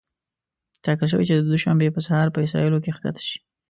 ټاکل شوې چې د دوشنبې په سهار په اسرائیلو کې ښکته شي.